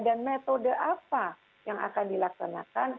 dan metode apa yang akan dilaksanakan